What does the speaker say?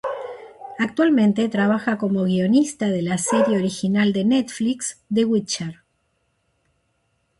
Actualmente trabaja como guionista de la serie original de Netflix, "The Witcher".